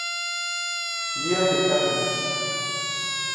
Guía de Cádiz.